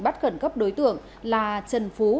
bắt khẩn cấp đối tượng là trần phú